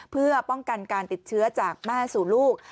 เพื่อป้องกันการติดเชื้อจากแม่สู่ลูก